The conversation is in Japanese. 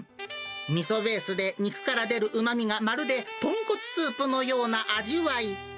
みそベースで肉から出るうまみがまるで豚骨スープのような味わい。